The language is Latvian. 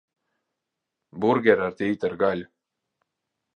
Burgeri ar tītara gaļu.